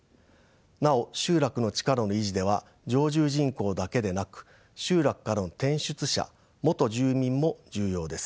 なお集落の力の維持では常住人口だけでなく集落からの転出者元住民も重要です。